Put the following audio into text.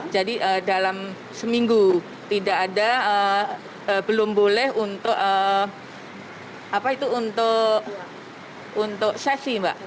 jadi dalam seminggu tidak ada belum boleh untuk apa itu untuk sesi mbak